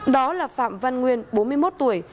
đó là phạm văn nguyên bốn mươi một tuổi